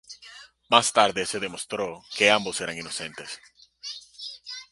Más tarde se demostró que ambos eran inocentes.